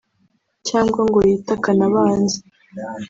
cyangwa ngo yitakane abanzi